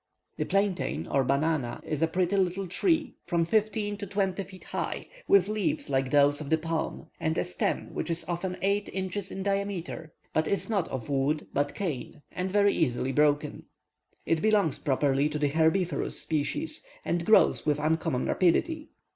The plantain, or banana, is a pretty little tree, from fifteen to twenty feet high, with leaves like those of the palm, and a stem which is often eight inches in diameter, but is not of wood, but cane, and very easily broken. It belongs properly to the herbiferous species, and grows with uncommon rapidity.